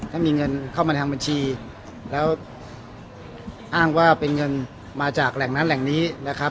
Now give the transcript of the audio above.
ถ้ามีเงินเข้ามาทางบัญชีแล้วอ้างว่าเป็นเงินมาจากแหล่งนั้นแหล่งนี้นะครับ